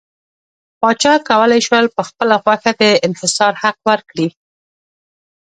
پاچا کولای شول په خپله خوښه د انحصار حق ورکړي.